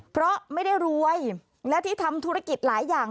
เพราะไม่ได้รวยและที่ทำธุรกิจหลายอย่าง